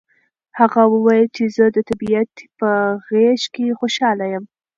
هغه وویل چې زه د طبیعت په غېږ کې خوشحاله یم.